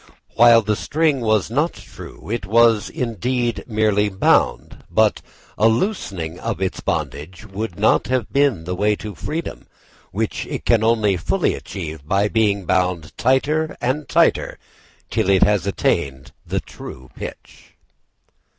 While the string was not true, it was indeed merely bound; but a loosening of its bondage would not have been the way to freedom, which it can only fully achieve by being bound tighter and tighter till it has attained the true pitch.